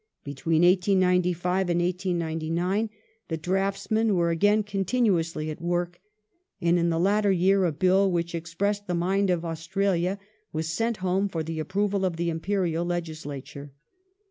Between 1895 and 1899 the dniftsraen were again continuously at work, and in the latter year a Bill, which expressed the mind of Australia, was sent home for the approval of the Imf>erial Legislature.